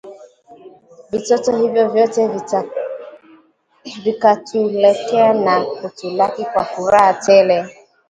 Vitoto hivyo vyote vikatulekea na kutulaki kwa furaha tele